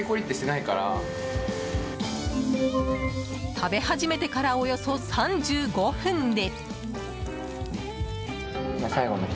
食べ始めてからおよそ３５分で。